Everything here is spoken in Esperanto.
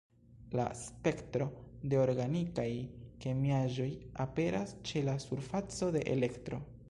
La spektro de organikaj kemiaĵoj aperas ĉe la surfaco de Elektro.